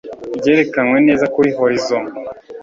Byerekanwe neza kuri horizon